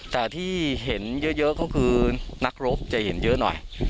แต่ที่เห็นเยอะก็คือนักรบจะเห็นเยอะหน่อย